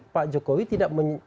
pak jokowi tidak mengerjakan